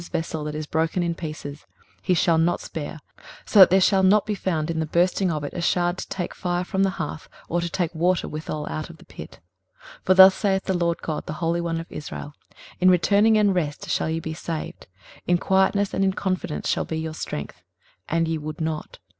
23:030:014 And he shall break it as the breaking of the potters' vessel that is broken in pieces; he shall not spare: so that there shall not be found in the bursting of it a sherd to take fire from the hearth, or to take water withal out of the pit. 23:030:015 For thus saith the Lord GOD, the Holy One of Israel; In returning and rest shall ye be saved; in quietness and in confidence shall be your strength: and ye would not.